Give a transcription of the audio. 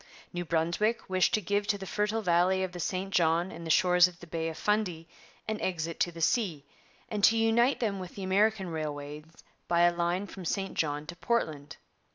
New Brunswick wished to give to the fertile valley of the St John and the shores of the Bay of Fundy an exit to the sea, and to unite them with the American railways by a line from St John to Portland.